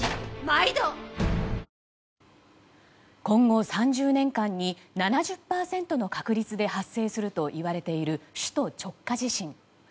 今後３０年間に７０％の確率で発生するといわれている首都直下地震。